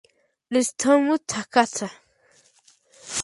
Tsutomu Takahata